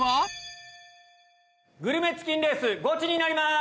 グルメチキンレースゴチになります！